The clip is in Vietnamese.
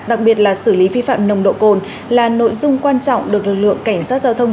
đặc biệt là xử lý vi phạm nồng độ cồn là nội dung quan trọng được lực lượng cảnh sát giao thông